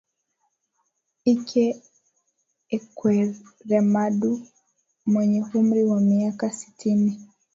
Ike Ekweremadu mwenye umri wa miaka sitini